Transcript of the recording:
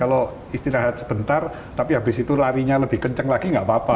kalau istirahat sebentar tapi habis itu larinya lebih kenceng lagi nggak apa apa